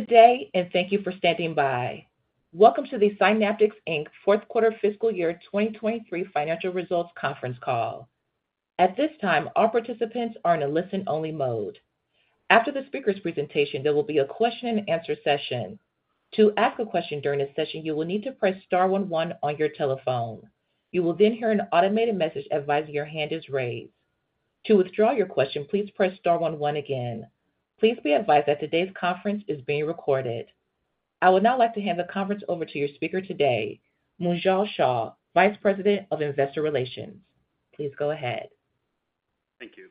Good day, and thank you for standing by. Welcome to the Synaptics, Inc. fourth quarter fiscal year 2023 financial results conference call. At this time, all participants are in a listen-only mode. After the speaker's presentation, there will be a question-and-answer session. To ask a question during this session, you will need to press star one one on your telephone. You will then hear an automated message advising your hand is raised. To withdraw your question, please press star one one again. Please be advised that today's conference is being recorded. I would now like to hand the conference over to your speaker today, Munjal Shah, Vice President of Investor Relations. Please go ahead. Thank you.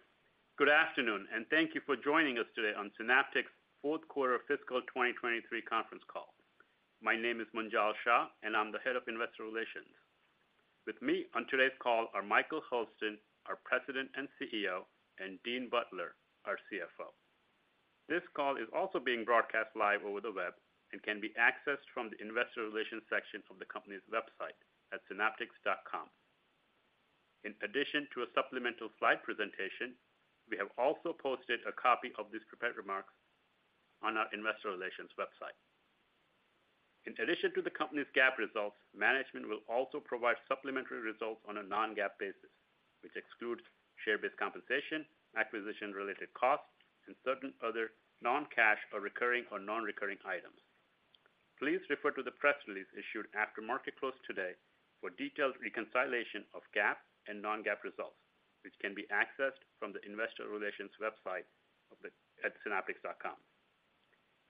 Good afternoon, thank you for joining us today on Synaptics' fourth quarter fiscal 2023 conference call. My name is Munjal Shah, I'm the Head of Investor Relations. With me on today's call are Michael Hurlston, our President and CEO, and Dean Butler, our CFO. This call is also being broadcast live over the web and can be accessed from the investor relations section of the company's website at synaptics.com. In addition to a supplemental slide presentation, we have also posted a copy of these prepared remarks on our investor relations website. In addition to the company's GAAP results, management will also provide supplementary results on a non-GAAP basis, which excludes share-based compensation, acquisition-related costs, and certain other non-cash or recurring or non-recurring items. Please refer to the press release issued after market close today for detailed reconciliation of GAAP and non-GAAP results, which can be accessed from the investor relations website of the, at synaptics.com.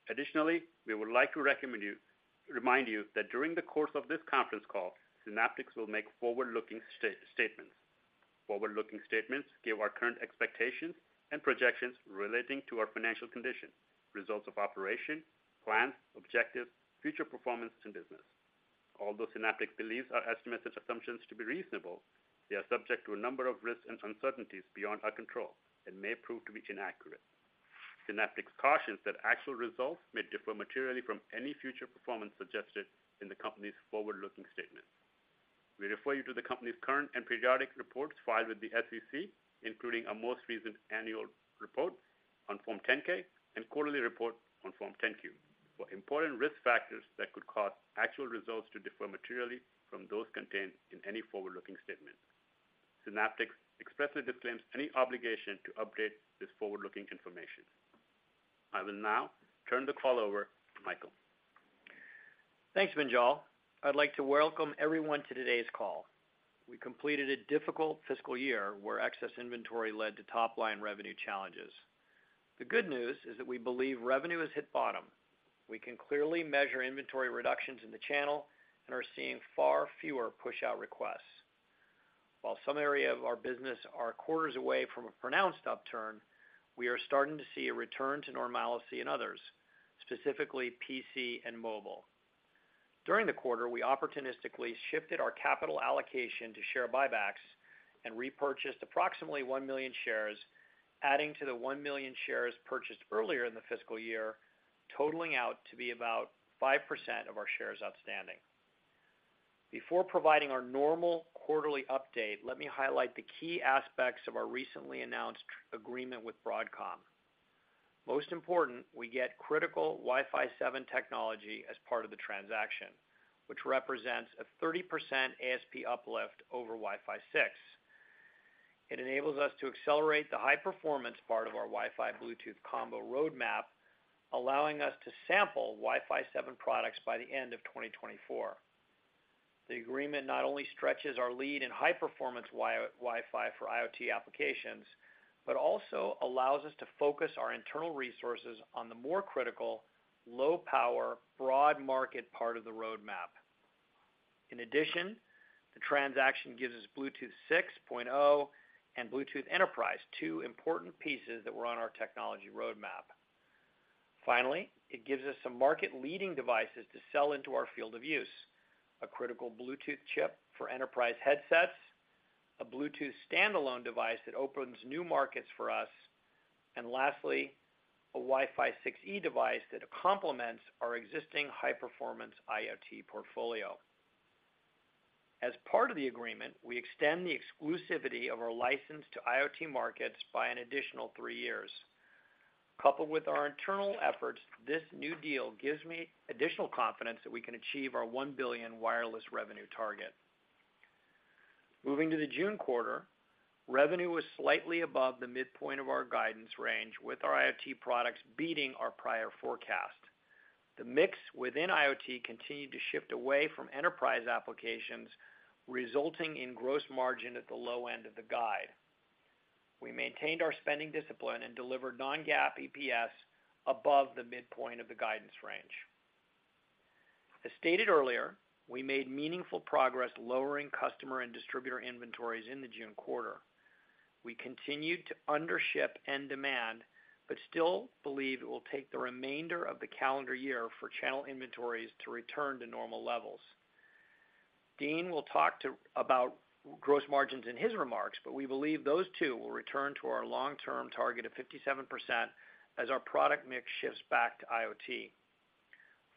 Additionally, we would like to remind you that during the course of this conference call, Synaptics will make forward-looking statements. Forward-looking statements give our current expectations and projections relating to our financial condition, results of operation, plans, objectives, future performance, and business. Although Synaptics believes our estimates and assumptions to be reasonable, they are subject to a number of risks and uncertainties beyond our control and may prove to be inaccurate. Synaptics cautions that actual results may differ materially from any future performance suggested in the company's forward-looking statement. We refer you to the company's current and periodic reports filed with the SEC, including our most recent annual report on Form 10-K and quarterly report on Form 10-Q, for important risk factors that could cause actual results to differ materially from those contained in any forward-looking statement. Synaptics expressly disclaims any obligation to update this forward-looking information. I will now turn the call over to Michael. Thanks, Munjal. I'd like to welcome everyone to today's call. We completed a difficult fiscal year where excess inventory led to top-line revenue challenges. The good news is that we believe revenue has hit bottom. We can clearly measure inventory reductions in the channel and are seeing far fewer pushout requests. While some areas of our business are quarters away from a pronounced upturn, we are starting to see a return to normalcy in others, specifically PC and mobile. During the quarter, we opportunistically shifted our capital allocation to share buybacks and repurchased approximately 1 million shares, adding to the 1 million shares purchased earlier in the fiscal year, totaling out to be about 5% of our shares outstanding. Before providing our normal quarterly update, let me highlight the key aspects of our recently announced agreement with Broadcom. Most important, we get critical Wi-Fi 7 technology as part of the transaction, which represents a 30% ASP uplift over Wi-Fi 6. It enables us to accelerate the high-performance part of our Wi-Fi/Bluetooth combo roadmap, allowing us to sample Wi-Fi 7 products by the end of 2024. The agreement not only stretches our lead in high-performance Wi-Fi for IoT applications, but also allows us to focus our internal resources on the more critical, low-power, broad market part of the roadmap. In addition, the transaction gives us Bluetooth 6.0 and Bluetooth enterprise, two important pieces that were on our technology roadmap. Finally, it gives us some market-leading devices to sell into our field of use: a critical Bluetooth chip for enterprise headsets, a Bluetooth standalone device that opens new markets for us, and lastly, a Wi-Fi 6E device that complements our existing high-performance IoT portfolio. As part of the agreement, we extend the exclusivity of our license to IoT markets by an additional three years. Coupled with our internal efforts, this new deal gives me additional confidence that we can achieve our $1 billion wireless revenue target. Moving to the June quarter, revenue was slightly above the midpoint of our guidance range, with our IoT products beating our prior forecast. The mix within IoT continued to shift away from enterprise applications, resulting in gross margin at the low end of the guide. We maintained our spending discipline and delivered non-GAAP EPS above the midpoint of the guidance range. As stated earlier, we made meaningful progress lowering customer and distributor inventories in the June quarter. We continued to undership end demand, still believe it will take the remainder of the calendar year for channel inventories to return to normal levels. Dean will talk to, about gross margins in his remarks. We believe those two will return to our long-term target of 57% as our product mix shifts back to IoT.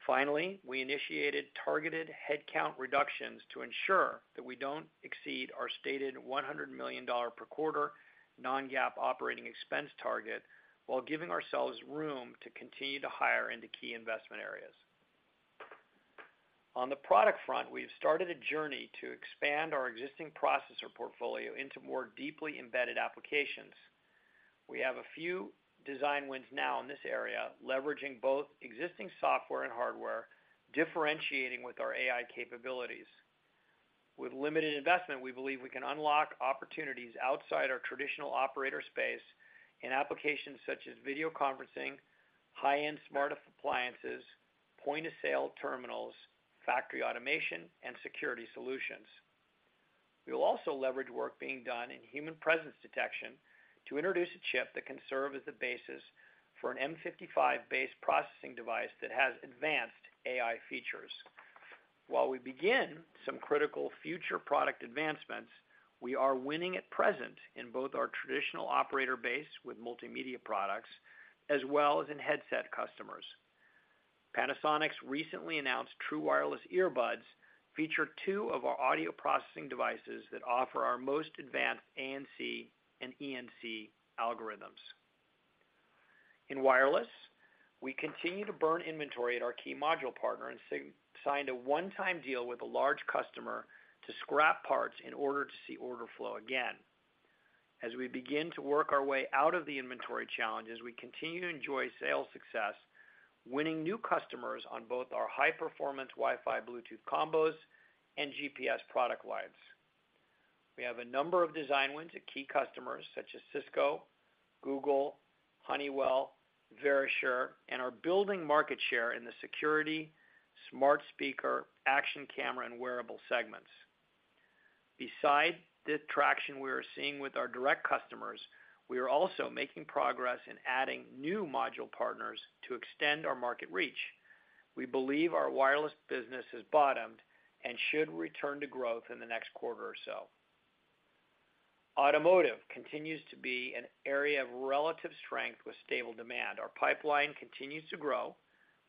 Finally, we initiated targeted headcount reductions to ensure that we don't exceed our stated $100 million per quarter non-GAAP operating expense target, while giving ourselves room to continue to hire into key investment areas. On the product front, we've started a journey to expand our existing processor portfolio into more deeply embedded applications. We have a few design wins now in this area, leveraging both existing software and hardware, differentiating with our AI capabilities. With limited investment, we believe we can unlock opportunities outside our traditional operator space in applications such as video conferencing, high-end smart appliances, point-of-sale terminals, factory automation, and security solutions. We will also leverage work being done in human presence detection to introduce a chip that can serve as the basis for an M55-based processing device that has advanced AI features. While we begin some critical future product advancements, we are winning at present in both our traditional operator base with multimedia products, as well as in headset customers. Panasonic's recently announced true wireless earbuds feature two of our audio processing devices that offer our most advanced ANC and ENC algorithms. In wireless, we continue to burn inventory at our key module partner and signed a one-time deal with a large customer to scrap parts in order to see order flow again. As we begin to work our way out of the inventory challenges, we continue to enjoy sales success, winning new customers on both our high-performance Wi-Fi/Bluetooth combos and GPS product lines. We have a number of design wins at key customers such as Cisco, Google, Honeywell, Verisure, and are building market share in the security, smart speaker, action camera, and wearable segments. Besides the traction we are seeing with our direct customers, we are also making progress in adding new module partners to extend our market reach. We believe our wireless business has bottomed and should return to growth in the next quarter or so. Automotive continues to be an area of relative strength with stable demand. Our pipeline continues to grow,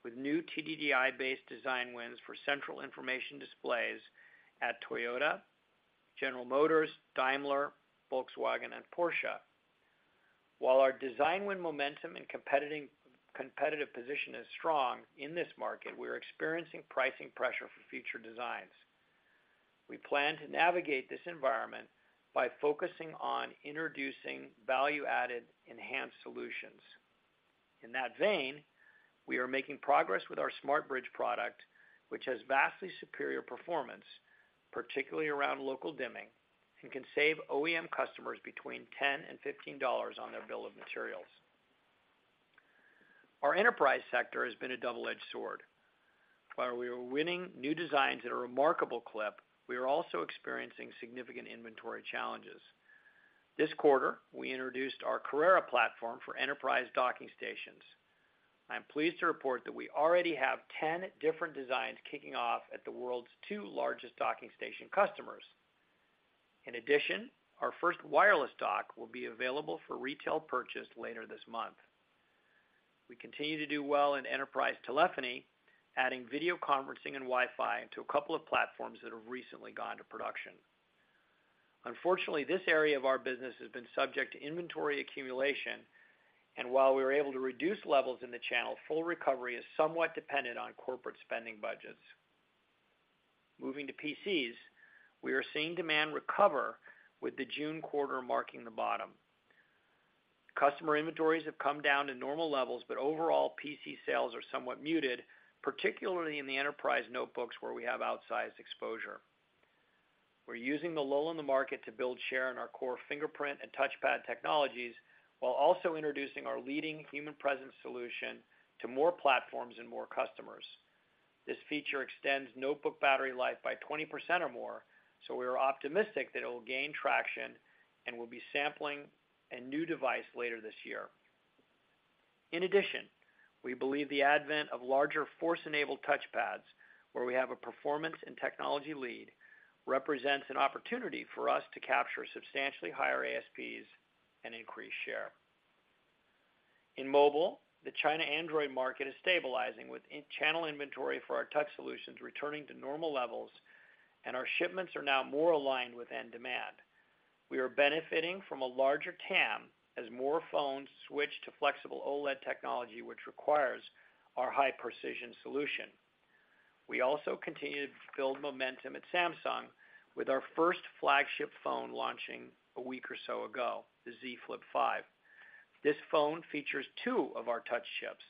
with new TDDI-based design wins for central information displays at Toyota, General Motors, Daimler, Volkswagen, and Porsche. While our design win momentum and competitive position is strong in this market, we are experiencing pricing pressure for future designs. We plan to navigate this environment by focusing on introducing value-added, enhanced solutions. In that vein, we are making progress with our SmartBridge product, which has vastly superior performance, particularly around local dimming, and can save OEM customers between $10 and $15 on their bill of materials. Our enterprise sector has been a double-edged sword. We are winning new designs at a remarkable clip, we are also experiencing significant inventory challenges. This quarter, we introduced our Carrera platform for enterprise docking stations. I am pleased to report that we already have 10 different designs kicking off at the world's two largest docking station customers. Our first wireless dock will be available for retail purchase later this month. We continue to do well in enterprise telephony, adding video conferencing and Wi-Fi to a couple of platforms that have recently gone to production. Unfortunately, this area of our business has been subject to inventory accumulation, and while we were able to reduce levels in the channel, full recovery is somewhat dependent on corporate spending budgets. Moving to PCs, we are seeing demand recover, with the June quarter marking the bottom. Customer inventories have come down to normal levels. Overall, PC sales are somewhat muted, particularly in the enterprise notebooks, where we have outsized exposure. We're using the lull in the market to build share in our core fingerprint and touchpad technologies, while also introducing our leading human presence solution to more platforms and more customers. This feature extends notebook battery life by 20% or more. We are optimistic that it will gain traction and will be sampling a new device later this year. In addition, we believe the advent of larger force-enabled touchpads, where we have a performance and technology lead, represents an opportunity for us to capture substantially higher ASPs and increase share. In mobile, the China Android market is stabilizing, with in-channel inventory for our touch solutions returning to normal levels, and our shipments are now more aligned with end demand. We are benefiting from a larger TAM as more phones switch to flexible OLED technology, which requires our high-precision solution. We also continue to build momentum at Samsung, with our first flagship phone launching a week or so ago, the Z Flip5. This phone features two of our touch chips.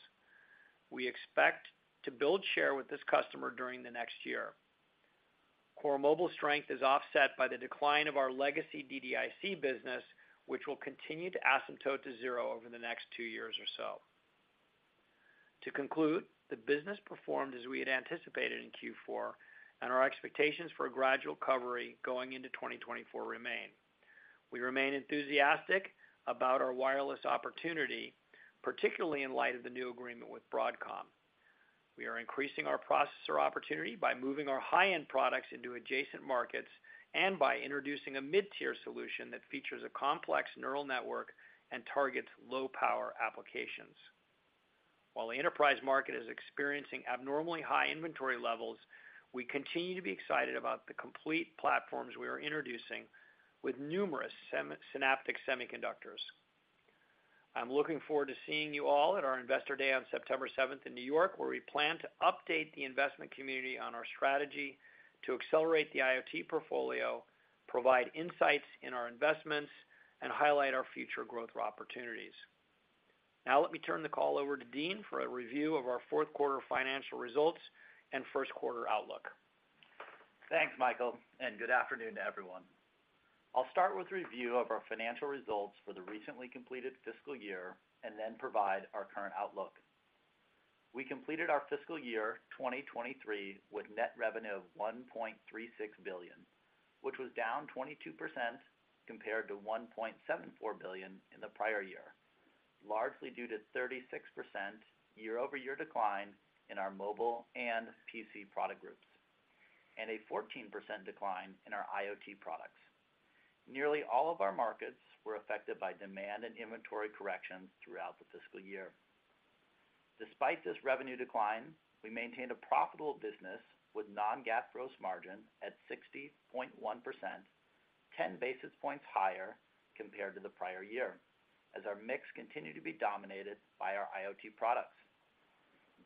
We expect to build share with this customer during the next year. Core mobile strength is offset by the decline of our legacy DDIC business, which will continue to asymptote to zero over the next two years or so. To conclude, the business performed as we had anticipated in Q4, and our expectations for a gradual recovery going into 2024 remain. We remain enthusiastic about our wireless opportunity, particularly in light of the new agreement with Broadcom. We are increasing our processor opportunity by moving our high-end products into adjacent markets and by introducing a mid-tier solution that features a complex neural network and targets low-power applications. While the enterprise market is experiencing abnormally high inventory levels, we continue to be excited about the complete platforms we are introducing with numerous Synaptics semiconductors. I'm looking forward to seeing you all at our Investor Day on September 7th in New York, where we plan to update the investment community on our strategy to accelerate the IoT portfolio, provide insights in our investments, and highlight our future growth opportunities. Now, let me turn the call over to Dean for a review of our fourth quarter financial results and first quarter outlook. Thanks, Michael. Good afternoon to everyone. I'll start with a review of our financial results for the recently completed fiscal year and then provide our current outlook. We completed our fiscal year 2023 with net revenue of $1.36 billion, which was down 22% compared to $1.74 billion in the prior year, largely due to 36% year-over-year decline in our mobile and PC product groups, and a 14% decline in our IoT products. Nearly all of our markets were affected by demand and inventory corrections throughout the fiscal year. Despite this revenue decline, we maintained a profitable business with non-GAAP gross margin at 60.1%, 10 basis points higher compared to the prior year, as our mix continued to be dominated by our IoT products.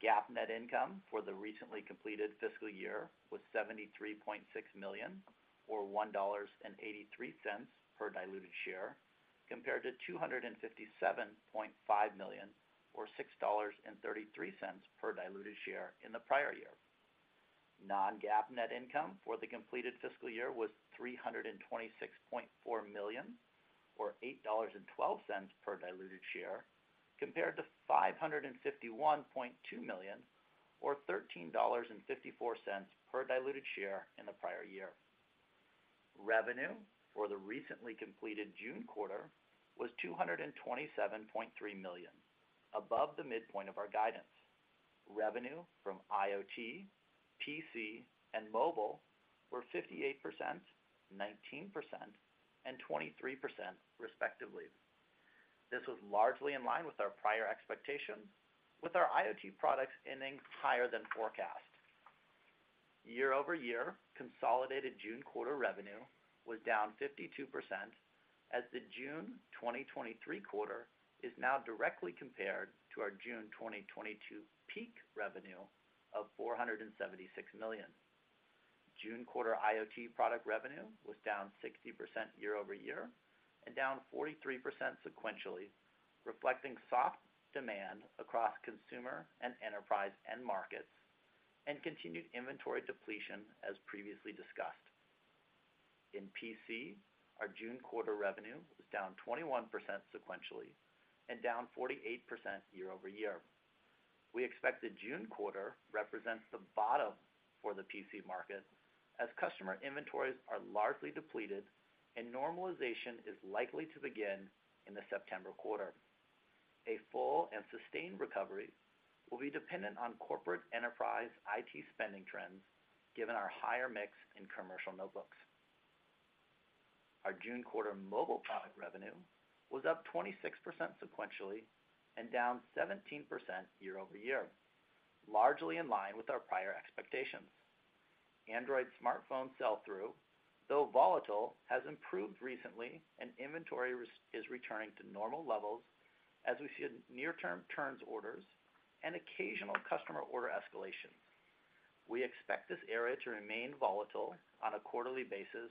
GAAP net income for the recently completed fiscal year was $73.6 million, or $1.83 per diluted share, compared to $257.5 million, or $6.33 per diluted share in the prior year. Non-GAAP net income for the completed fiscal year was $326.4 million, or $8.12 per diluted share, compared to $551.2 million, or $13.54 per diluted share in the prior year. Revenue for the recently completed June quarter was $227.3 million, above the midpoint of our guidance. Revenue from IoT, PC, and mobile were 58%, 19%, and 23% respectively. This was largely in line with our prior expectations, with our IoT products ending higher than forecast. Year-over-year, consolidated June quarter revenue was down 52%, as the June 2023 quarter is now directly compared to our June 2022 peak revenue of $476 million. June quarter IoT product revenue was down 60% year-over-year and down 43% sequentially, reflecting soft demand across consumer and enterprise end markets and continued inventory depletion, as previously discussed. In PC, our June quarter revenue was down 21% sequentially and down 48% year-over-year. We expect the June quarter represents the bottom for the PC market, as customer inventories are largely depleted and normalization is likely to begin in the September quarter. A full and sustained recovery will be dependent on corporate enterprise IT spending trends, given our higher mix in commercial notebooks. Our June quarter mobile product revenue was up 26% sequentially and down 17% year-over-year, largely in line with our prior expectations. Android smartphone sell-through, though volatile, has improved recently. Inventory is returning to normal levels as we see near-term turns orders and occasional customer order escalation. We expect this area to remain volatile on a quarterly basis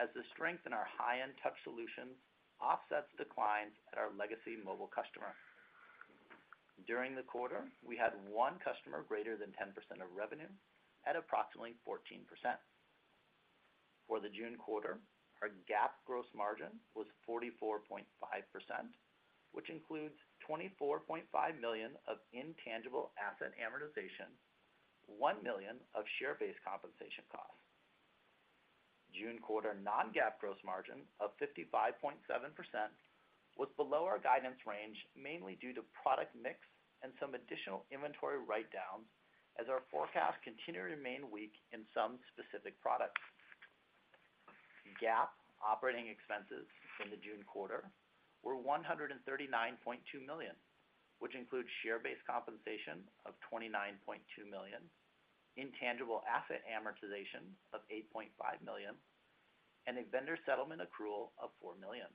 as the strength in our high-end touch solutions offsets declines at our legacy mobile customer. During the quarter, we had one customer greater than 10% of revenue at approximately 14%. For the June quarter, our GAAP gross margin was 44.5%, which includes $24.5 million of intangible asset amortization, $1 million of share-based compensation costs. June quarter non-GAAP gross margin of 55.7% was below our guidance range, mainly due to product mix and some additional inventory write-downs, as our forecast continued to remain weak in some specific products. GAAP operating expenses in the June quarter were $139.2 million, which includes share-based compensation of $29.2 million, intangible asset amortization of $8.5 million, and a vendor settlement accrual of $4 million.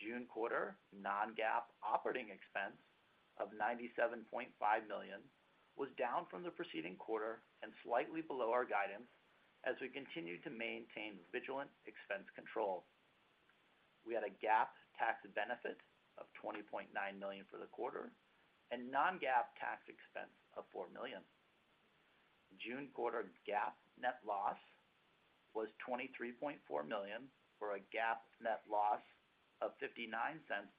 June quarter non-GAAP operating expense of $97.5 million was down from the preceding quarter and slightly below our guidance as we continued to maintain vigilant expense control. We had a GAAP tax benefit of $20.9 million for the quarter and non-GAAP tax expense of $4 million. June quarter GAAP net loss was $23.4 million, for a GAAP net loss of $0.59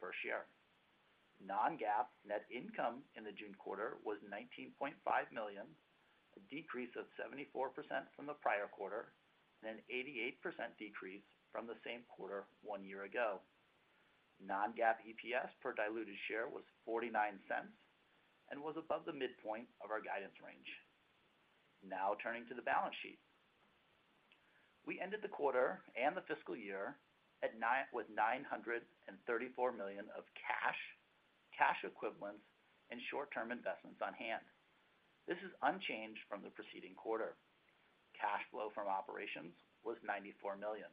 per share. Non-GAAP net income in the June quarter was $19.5 million, a decrease of 74% from the prior quarter, and an 88% decrease from the same quarter one year ago. Non-GAAP EPS per diluted share was $0.49 and was above the midpoint of our guidance range. Now turning to the balance sheet. We ended the quarter and the fiscal year at nine, with $934 million of cash, cash equivalents, and short-term investments on hand. This is unchanged from the preceding quarter. Cash flow from operations was $94 million.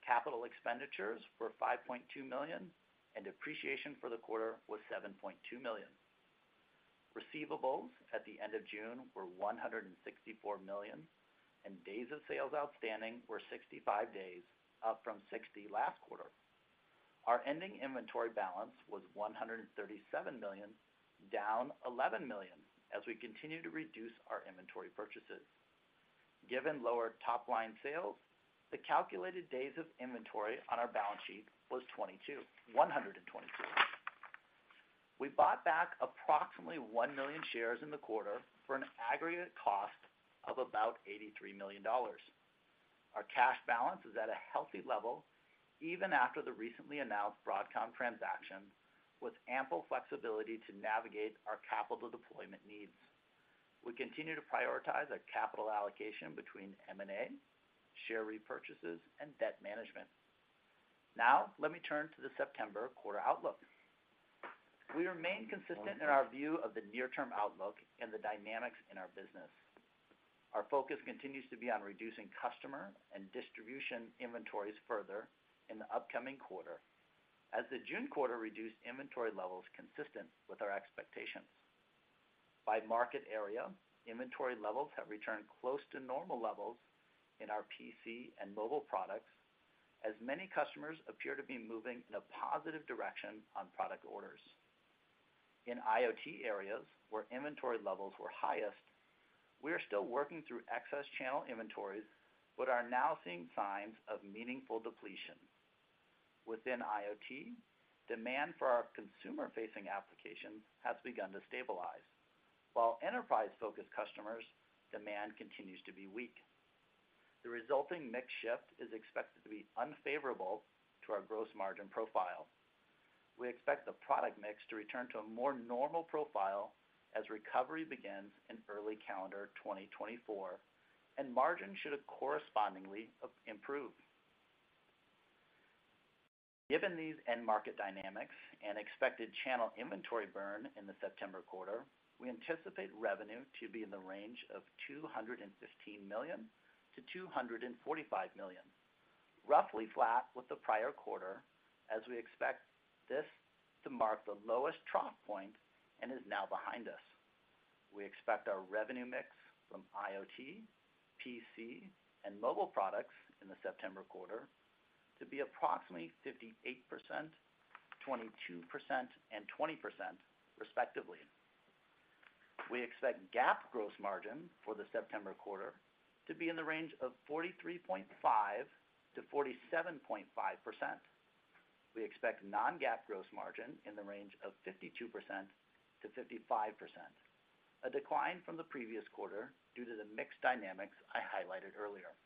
Capital expenditures were $5.2 million, and depreciation for the quarter was $7.2 million. Receivables at the end of June were $164 million, and days of sales outstanding were 65 days, up from 60 last quarter. Our ending inventory balance was $137 million, down $11 million, as we continue to reduce our inventory purchases. Given lower top-line sales, the calculated days of inventory on our balance sheet was 22, 122. We bought back approximately 1 million shares in the quarter for an aggregate cost of about $83 million. Our cash balance is at a healthy level, even after the recently announced Broadcom transaction, with ample flexibility to navigate our capital deployment needs. We continue to prioritize our capital allocation between M&A, share repurchases, and debt management. Let me turn to the September quarter outlook. We remain consistent in our view of the near-term outlook and the dynamics in our business. Our focus continues to be on reducing customer and distribution inventories further in the upcoming quarter, as the June quarter reduced inventory levels consistent with our expectations. By market area, inventory levels have returned close to normal levels in our PC and mobile products, as many customers appear to be moving in a positive direction on product orders. In IoT areas, where inventory levels were highest, we are still working through excess channel inventories, but are now seeing signs of meaningful depletion. Within IoT, demand for our consumer-facing applications has begun to stabilize, while enterprise-focused customers' demand continues to be weak. The resulting mix shift is expected to be unfavorable to our gross margin profile. We expect the product mix to return to a more normal profile as recovery begins in early calendar 2024, margins should correspondingly improve. Given these end market dynamics and expected channel inventory burn in the September quarter, we anticipate revenue to be in the range of $215 million-$245 million, roughly flat with the prior quarter, as we expect this to mark the lowest trough point and is now behind us. We expect our revenue mix from IoT, PC, and mobile products in the September quarter to be approximately 58%, 22%, and 20% respectively. We expect GAAP gross margin for the September quarter to be in the range of 43.5%-47.5%. We expect non-GAAP gross margin in the range of 52%-55%, a decline from the previous quarter due to the mixed dynamics I highlighted earlier.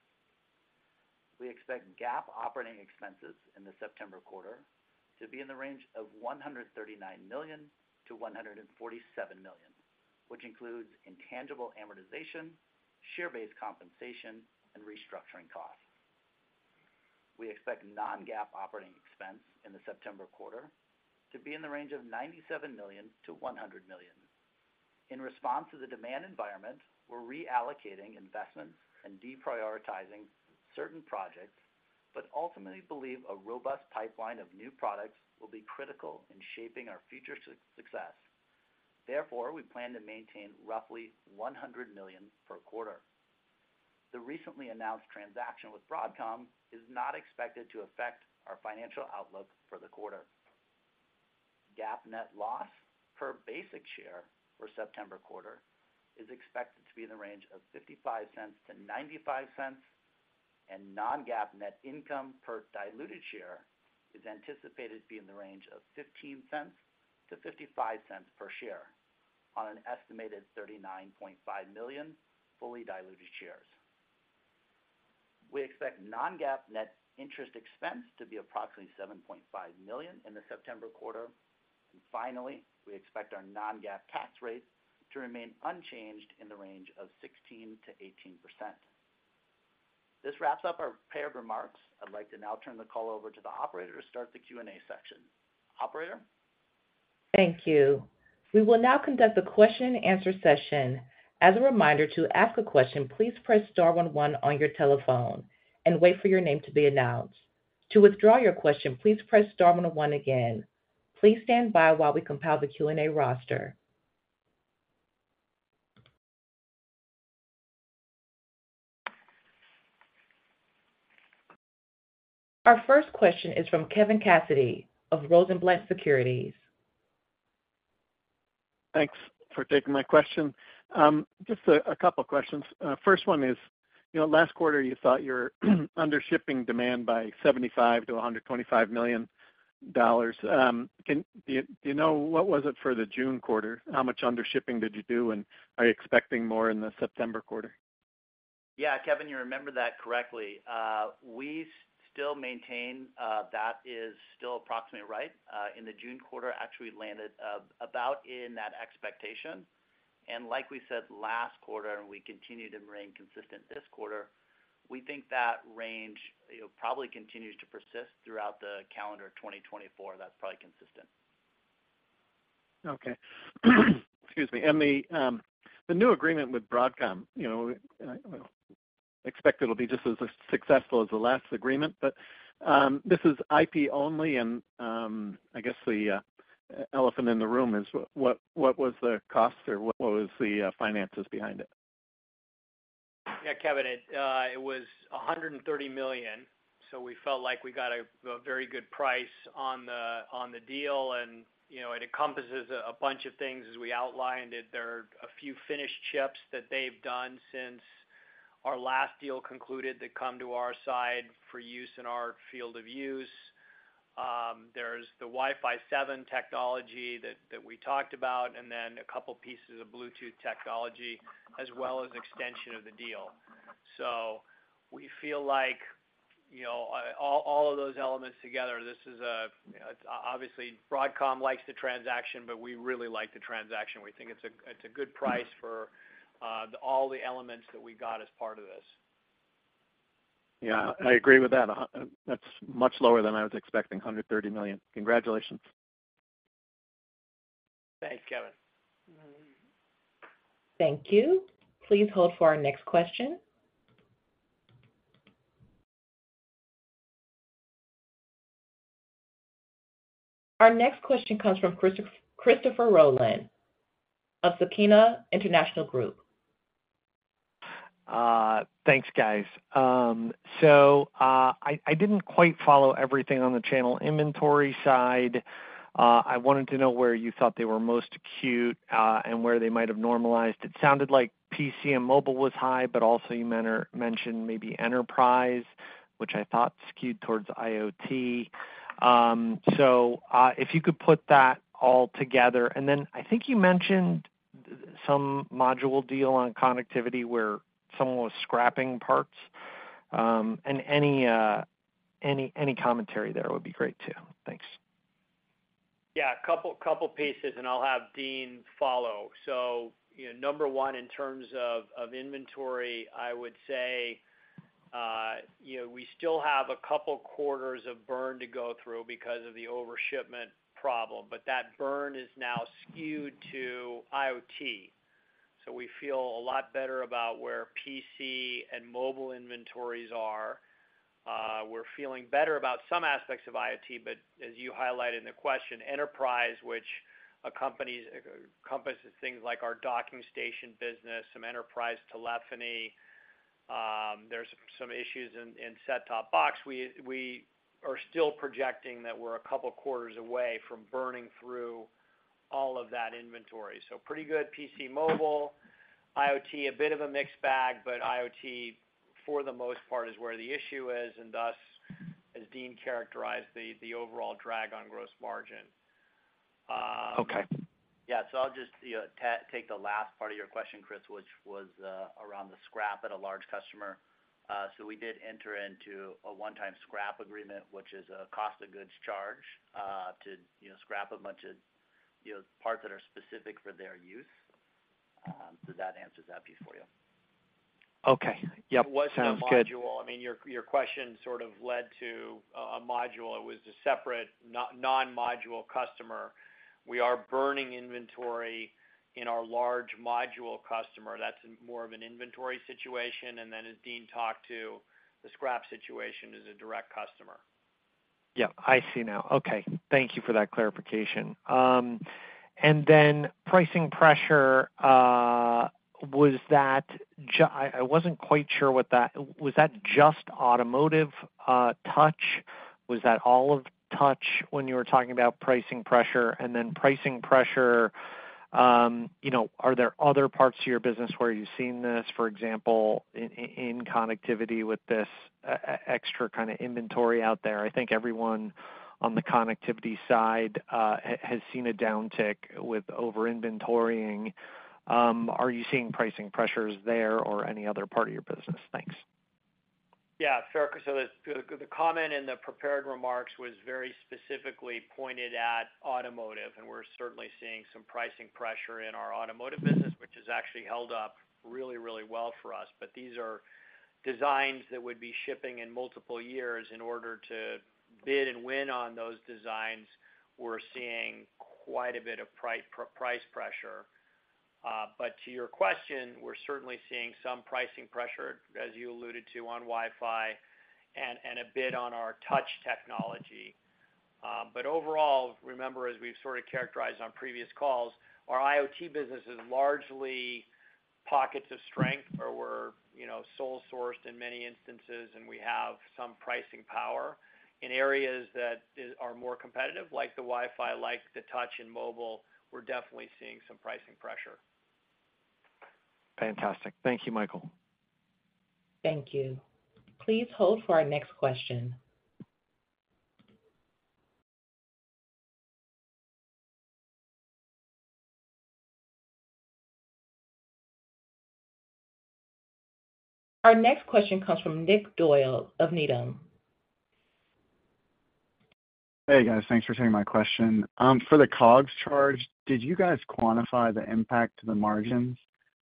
We expect GAAP operating expenses in the September quarter to be in the range of $139 million-$147 million, which includes intangible amortization, share-based compensation, and restructuring costs. We expect non-GAAP operating expense in the September quarter to be in the range of $97 million-$100 million. In response to the demand environment, we're reallocating investments and deprioritizing certain projects, but ultimately believe a robust pipeline of new products will be critical in shaping our future success. Therefore, we plan to maintain roughly $100 million per quarter. The recently announced transaction with Broadcom is not expected to affect our financial outlook for the quarter. GAAP net loss per basic share for September quarter is expected to be in the range of $0.55-$0.95, non-GAAP net income per diluted share is anticipated to be in the range of $0.15-$0.55 per share on an estimated 39.5 million fully diluted shares. We expect non-GAAP net interest expense to be approximately $7.5 million in the September quarter. Finally, we expect our non-GAAP tax rate to remain unchanged in the range of 16%-18%. This wraps up our prepared remarks. I'd like to now turn the call over to the operator to start the Q&A section. Operator? Thank you. We will now conduct a question-and-answer session. As a reminder, to ask a question, please press star one one on your telephone and wait for your name to be announced. To withdraw your question, please press star one one again. Please stand by while we compile the Q&A roster. Our first question is from Kevin Cassidy of Rosenblatt Securities. Thanks for taking my question. Just a couple of questions. First one is, you know, last quarter, you thought you're under shipping demand by $75 million-$125 million. Do you know, what was it for the June quarter? How much under shipping did you do, and are you expecting more in the September quarter? Yeah, Kevin, you remember that correctly. We still maintain that is still approximately right. In the June quarter, actually landed about in that expectation. ... and like we said last quarter, and we continue to remain consistent this quarter, we think that range, you know, probably continues to persist throughout the calendar 2024. That's probably consistent. Okay. Excuse me. The new agreement with Broadcom, you know, I expect it'll be just as, as successful as the last agreement. This is IP only, and I guess the elephant in the room is: what, what, what was the cost or what was the finances behind it? Yeah, Kevin, it, it was $130 million, so we felt like we got a very good price on the deal. You know, it encompasses a bunch of things, as we outlined it. There are a few finished chips that they've done since our last deal concluded that come to our side for use in our field of use. There's the Wi-Fi 7 technology that we talked about, and then a couple pieces of Bluetooth technology, as well as extension of the deal. We feel like, you know, all of those elements together, this is obviously, Broadcom likes the transaction, but we really like the transaction. We think it's a good price for all the elements that we got as part of this. Yeah, I agree with that. That's much lower than I was expecting, $130 million. Congratulations. Thanks, Kevin. Thank you. Please hold for our next question. Our next question comes from Christopher Rolland of Susquehanna International Group. Thanks, guys. I, I didn't quite follow everything on the channel inventory side. I wanted to know where you thought they were most acute, and where they might have normalized. It sounded like PC and mobile was high, but also you mentioned maybe enterprise, which I thought skewed towards IoT. If you could put that all together. Then I think you mentioned some module deal on connectivity, where someone was scrapping parts. Any, any commentary there would be great, too. Thanks. A couple, couple pieces, and I'll have Dean follow. You know, number one, in terms of inventory, I would say, you know, we still have two quarters of burn to go through because of the overshipment problem. That burn is now skewed to IoT. We feel a lot better about where PC and mobile inventories are. We're feeling better about some aspects of IoT, but as you highlighted in the question, enterprise, which accompanies, encompasses things like our docking station business, some enterprise telephony, there's some issues in set-top box. We are still projecting that we're two quarters away from burning through all of that inventory. Pretty good PC, mobile. IoT, a bit of a mixed bag, but IoT, for the most part, is where the issue is, and thus, as Dean characterized, the, the overall drag on gross margin. Okay. Yeah, so I'll just, you know, take the last part of your question, Chris, which was around the scrap at a large customer. We did enter into a one-time scrap agreement, which is a cost of goods charge, to, you know, scrap a bunch of, you know, parts that are specific for their use. Does that answer that piece for you? Okay. Yep, sounds good. It wasn't a module. I mean, your, your question sort of led to a, a module. It was a separate non-module customer. We are burning inventory in our large module customer. That's more of an inventory situation. As Dean talked to, the scrap situation is a direct customer. Yep, I see now. Okay, thank you for that clarification. Then pricing pressure, was that I, I wasn't quite sure what that... Was that just automotive touch? Was that all of touch when you were talking about pricing pressure? Then pricing pressure, you know, are there other parts of your business where you've seen this, for example, in connectivity with this extra kind of inventory out there? I think everyone on the connectivity side has seen a downtick with over-inventorying. Are you seeing pricing pressures there or any other part of your business? Thanks. Yeah, sure. The, the comment in the prepared remarks was very specifically pointed at automotive, and we're certainly seeing some pricing pressure in our automotive business, which has actually held up really, really well for us. These are designs that would be shipping in multiple years. In order to bid and win on those designs, we're seeing quite a bit of price pressure. To your question, we're certainly seeing some pricing pressure, as you alluded to, on Wi-Fi and, and a bit on our touch technology. Overall, remember, as we've sort of characterized on previous calls, our IoT business is largely pockets of strength, where we're, you know, sole sourced in many instances, and we have some pricing power. In areas that is, are more competitive, like the Wi-Fi, like the touch and mobile, we're definitely seeing some pricing pressure. Fantastic. Thank you, Michael. Thank you. Please hold for our next question. Our next question comes from Nick Doyle of Needham. Hey, guys, thanks for taking my question. For the COGS charge, did you guys quantify the impact to the margins?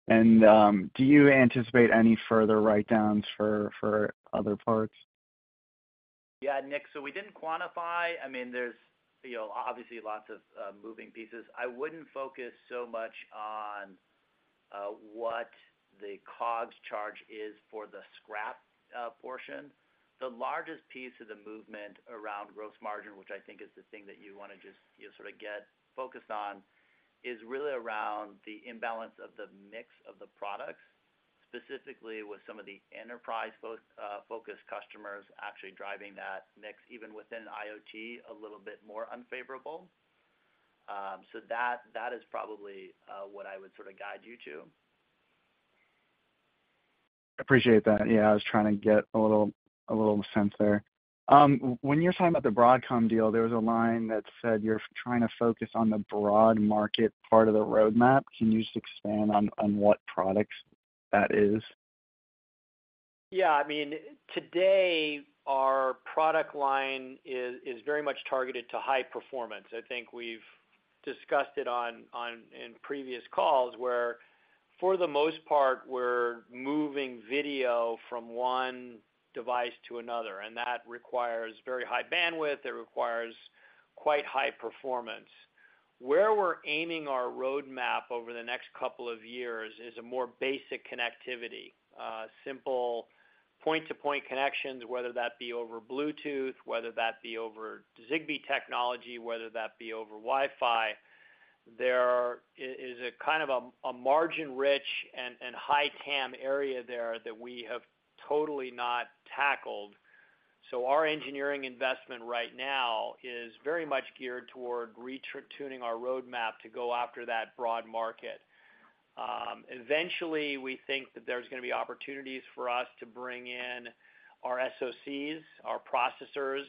Do you anticipate any further write-downs for other parts? Yeah, Nick, so we didn't quantify. I mean, there's, you know, obviously lots of moving pieces. I wouldn't focus so much on what the COGS charge is for the scrap portion. The largest piece of the movement around gross margin, which I think is the thing that you wanna just, you know, sort of get focused on, is really around the imbalance of the mix of the products, specifically with some of the enterprise focus customers actually driving that mix, even within IoT, a little bit more unfavorable. That is probably what I would sort of guide you to. Appreciate that. Yeah, I was trying to get a little, a little sense there. When you're talking about the Broadcom deal, there was a line that said you're trying to focus on the broad market part of the roadmap. Can you just expand on, on what products that is? Yeah, I mean, today, our product line is, is very much targeted to high performance. I think we've discussed it in previous calls, where for the most part, we're moving video from one device to another, and that requires very high bandwidth, it requires quite high performance. Where we're aiming our roadmap over the next two years is a more basic connectivity, simple point-to-point connections, whether that be over Bluetooth, whether that be over Zigbee technology, whether that be over Wi-Fi. There is a kind of, a margin-rich and high TAM area there that we have totally not tackled. Our engineering investment right now is very much geared toward retuning our roadmap to go after that broad market. Eventually, we think that there's gonna be opportunities for us to bring in our SoCs, our processors,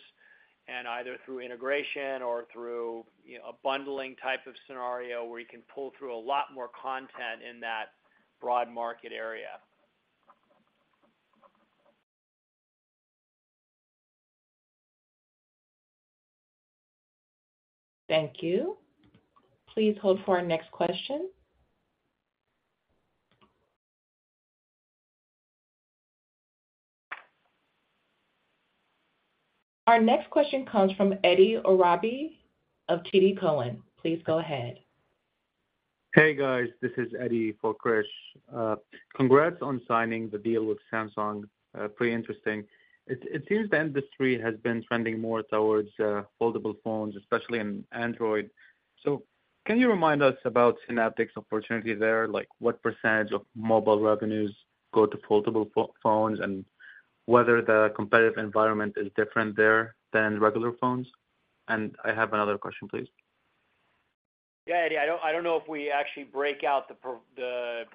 and either through integration or through, you know, a bundling type of scenario, where you can pull through a lot more content in that broad market area. Thank you. Please hold for our next question. Our next question comes from Eddy Orabi of TD Cowen. Please go ahead. Hey, guys, this is Eddy for Krish. Congrats on signing the deal with Samsung, pretty interesting. It seems the industry has been trending more towards foldable phones, especially in Android. Can you remind us about Synaptics' opportunity there? Like, what percentage of mobile revenues go to foldable phones, and whether the competitive environment is different there than regular phones? I have another question, please. Yeah, Eddy, I don't, I don't know if we actually break out the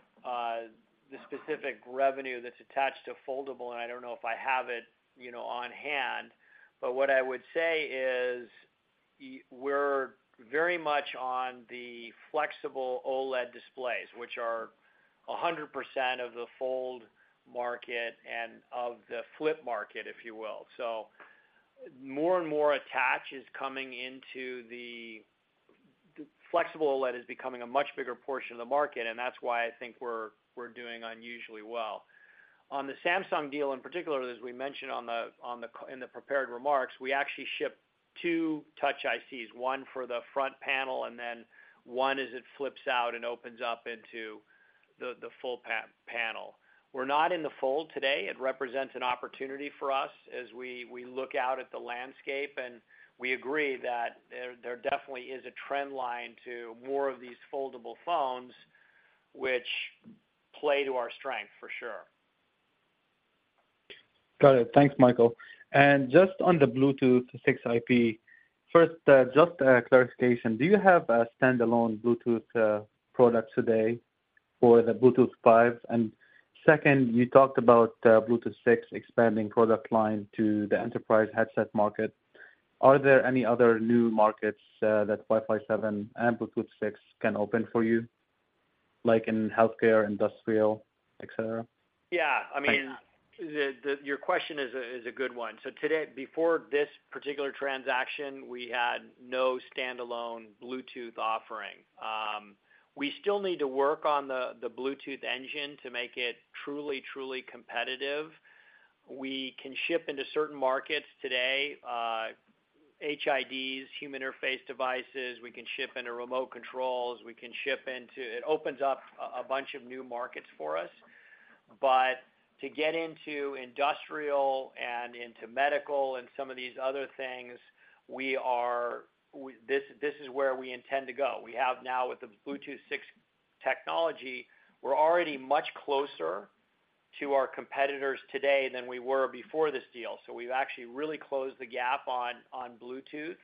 specific revenue that's attached to foldable, and I don't know if I have it, you know, on hand. What I would say is, we're very much on the flexible OLED displays, which are 100% of the fold market and of the flip market, if you will. More and more attach is coming into the. The flexible OLED is becoming a much bigger portion of the market, and that's why I think we're, we're doing unusually well. On the Samsung deal, in particular, as we mentioned on the in the prepared remarks, we actually ship two touch ICs, one for the front panel, and then one as it flips out and opens up into the full panel. We're not in the fold today. It represents an opportunity for us as we, we look out at the landscape. We agree that there, there definitely is a trend line to more of these foldable phones, which play to our strength, for sure. Got it. Thanks, Michael. Just on the Bluetooth 6 IP, first, just clarification, do you have a standalone Bluetooth product today for the Bluetooth 5? Second, you talked about Bluetooth 6 expanding product line to the enterprise headset market. Are there any other new markets that Wi-Fi 7 and Bluetooth 6 can open for you, like in healthcare, industrial, et cetera? Yeah, I mean- Thanks. Your question is a good one. Today, before this particular transaction, we had no standalone Bluetooth offering. We still need to work on the Bluetooth engine to make it truly, truly competitive. We can ship into certain markets today, HIDs, human interface devices, we can ship into remote controls, we can ship into. It opens up a bunch of new markets for us. To get into industrial and into medical and some of these other things, this is where we intend to go. We have now, with the Bluetooth 6 technology, we're already much closer to our competitors today than we were before this deal. We've actually really closed the gap on Bluetooth.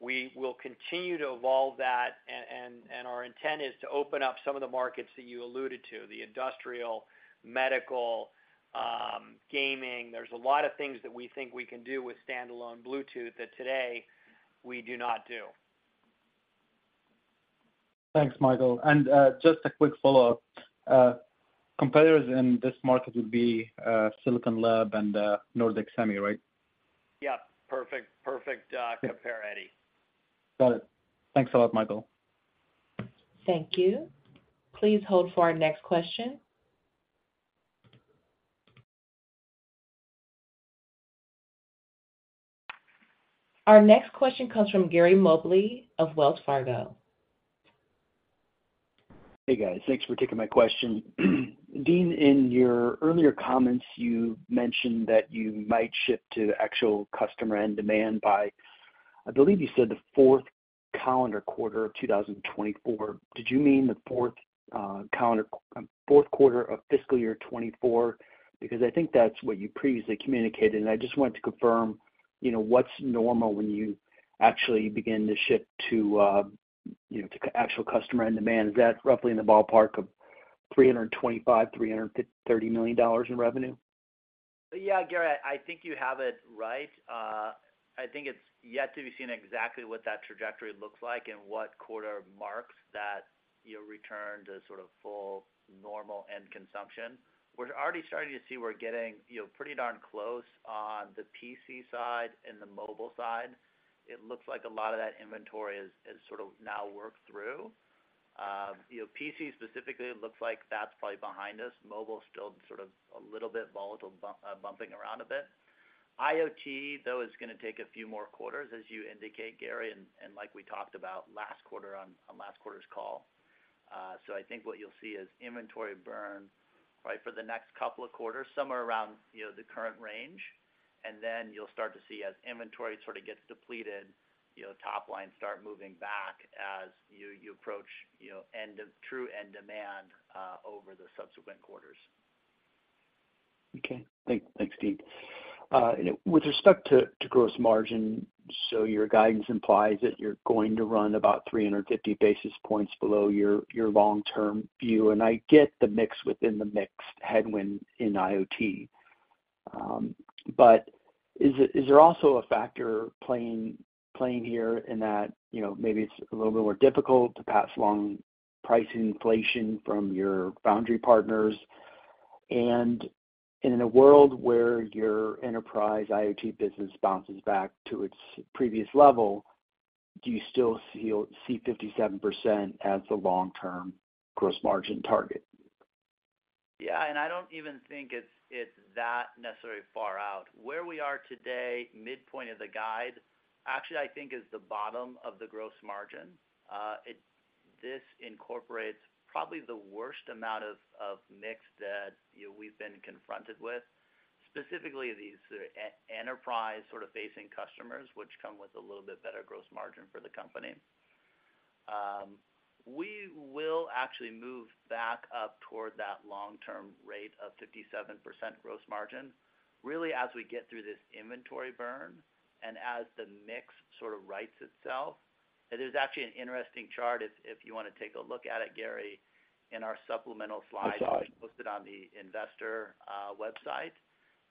We will continue to evolve that, and our intent is to open up some of the markets that you alluded to, the industrial, medical, gaming. There's a lot of things that we think we can do with standalone Bluetooth that today we do not do.... Thanks, Michael. Just a quick follow-up. Competitors in this market would be, Silicon Labs and, Nordic Semi, right? Yeah. Perfect, perfect, compare, Eddy. Got it. Thanks a lot, Michael. Thank you. Please hold for our next question. Our next question comes from Gary Mobley of Wells Fargo. Hey, guys. Thanks for taking my question. Dean, in your earlier comments, you mentioned that you might ship to the actual customer and demand by, I believe you said, the fourth calendar quarter of 2024. Did you mean the fourth quarter of fiscal year '24? Because I think that's what you previously communicated, and I just wanted to confirm, you know, what's normal when you actually begin to ship to, you know, to actual customer and demand. Is that roughly in the ballpark of $325 million-$330 million in revenue? Yeah, Gary, I think you have it right. I think it's yet to be seen exactly what that trajectory looks like and what quarter marks that, you know, return to sort of full normal end consumption. We're already starting to see we're getting, you know, pretty darn close on the PC side and the mobile side. It looks like a lot of that inventory is, is sort of now worked through. You know, PC specifically, it looks like that's probably behind us. Mobile, still sort of a little bit volatile, bumping around a bit. IoT, though, is gonna take a few more quarters, as you indicate, Gary, and, and like we talked about last quarter on, on last quarter's call. I think what you'll see is inventory burn, right, for the next couple of quarters, somewhere around, you know, the current range. Then you'll start to see, as inventory sort of gets depleted, you know, top line start moving back as you, you approach, you know, end of- true end demand over the subsequent quarters. Okay. Thanks, Dean. With respect to gross margin, so your guidance implies that you're going to run about 350 basis points below your, your long-term view, and I get the mix within the mixed headwind in IoT. Is there also a factor playing here in that, you know, maybe it's a little bit more difficult to pass along price inflation from your foundry partners? In a world where your enterprise IoT business bounces back to its previous level, do you still see 57% as the long-term gross margin target? Yeah, I don't even think it's, it's that necessarily far out. Where we are today, midpoint of the guide, actually, I think is the bottom of the gross margin. This incorporates probably the worst amount of, of mix that, you know, we've been confronted with, specifically these enterprise sort of facing customers, which come with a little bit better gross margin for the company. We will actually move back up toward that long-term rate of 57% gross margin, really, as we get through this inventory burn and as the mix sort of rights itself. It is actually an interesting chart, if, if you want to take a look at it, Gary, in our supplemental slides. I saw it. - posted on the investor, website,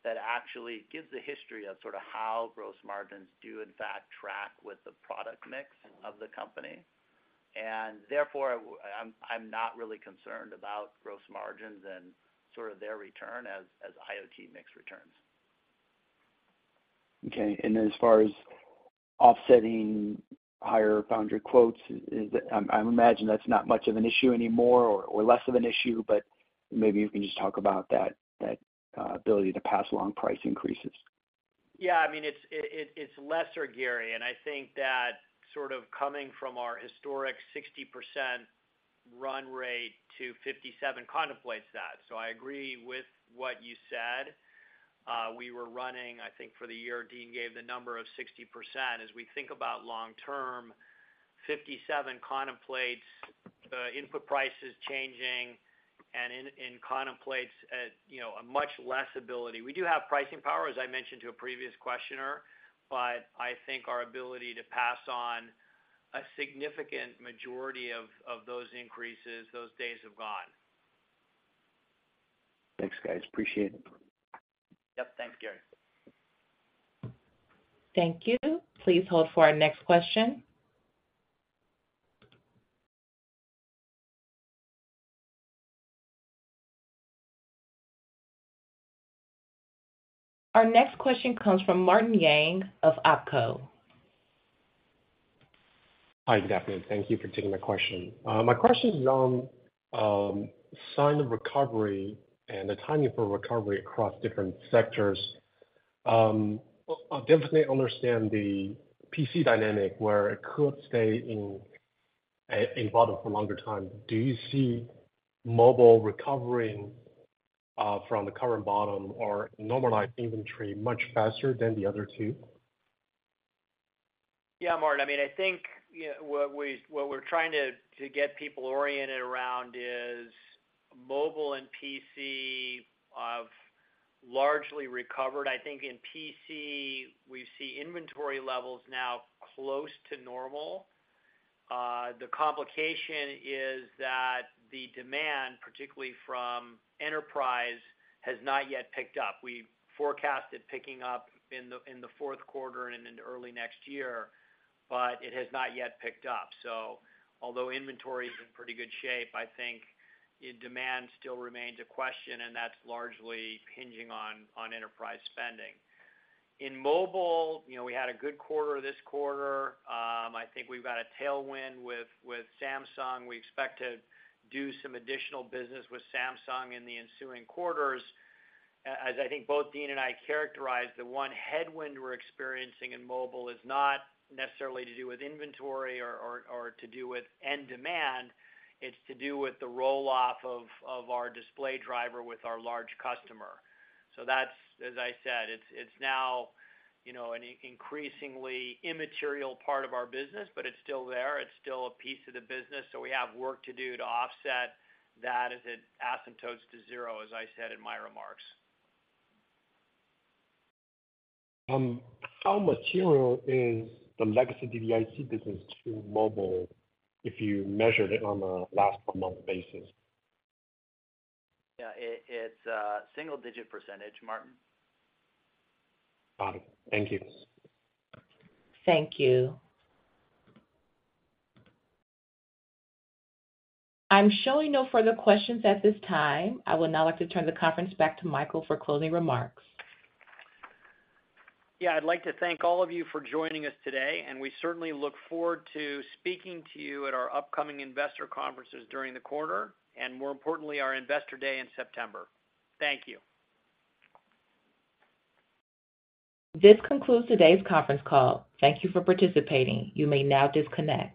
that actually gives a history of sort of how gross margins do, in fact, track with the product mix of the company. Therefore, I I'm not really concerned about gross margins and sort of their return as, as IoT mix returns. Okay. As far as offsetting higher foundry quotes, is, I imagine that's not much of an issue anymore or, or less of an issue, but maybe you can just talk about that, that, ability to pass along price increases. Yeah, I mean, it's lesser, Gary, and I think that sort of coming from our historic 60% run rate to 57% contemplates that. I agree with what you said. We were running, I think for the year, Dean gave the number of 60%. As we think about long term, 57% contemplates input prices changing and contemplates a, you know, a much less ability. We do have pricing power, as I mentioned to a previous questioner. I think our ability to pass on a significant majority of those increases, those days have gone. Thanks, guys. Appreciate it. Yep. Thanks, Gary. Thank you. Please hold for our next question. Our next question comes from Martin Yang of Oppenheimer. Hi, good afternoon. Thank you for taking my question. My question is on sign of recovery and the timing for recovery across different sectors. I definitely understand the PC dynamic, where it could stay in a, a bottom for a longer time. Do you see mobile recovering from the current bottom or normalized inventory much faster than the other two? Yeah, Martin, I mean, I think, what we're trying to get people oriented around is mobile and PC have largely recovered. I think in PC, we see inventory levels now close to normal. The complication is that the demand, particularly from enterprise, has not yet picked up. We forecasted picking up in the fourth quarter and into early next year, but it has not yet picked up. Although inventory is in pretty good shape, I think demand still remains a question, and that's largely hinging on enterprise spending. In mobile, you know, we had a good quarter this quarter. I think we've got a tailwind with Samsung. We expect to do some additional business with Samsung in the ensuing quarters. As I think both Dean and I characterized, the one headwind we're experiencing in mobile is not necessarily to do with inventory or, or, or to do with end demand. It's to do with the roll-off of, of our display driver with our large customer. That's, as I said, it's, it's now, you know, an increasingly immaterial part of our business, but it's still there. It's still a piece of the business, so we have work to do to offset that as it asymptotes to zero, as I said in my remarks. How material is the legacy DDIC business to mobile if you measured it on a last month basis? Yeah, it, it's a single-digit percentage, Martin. Got it. Thank you. Thank you. I'm showing no further questions at this time. I would now like to turn the conference back to Michael for closing remarks. Yeah, I'd like to thank all of you for joining us today. We certainly look forward to speaking to you at our upcoming investor conferences during the quarter, and more importantly, our Investor Day in September. Thank you. This concludes today's conference call. Thank Thank you for participating. You may now disconnect.